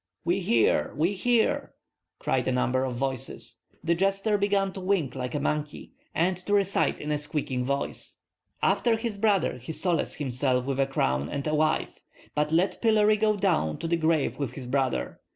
"We hear! we hear!" cried a number of voices. The jester began to wink like a monkey and to recite in a squeaking voice, "After his brother he solaced himself with a crown and a wife, But let glory go down to the grave with his brother.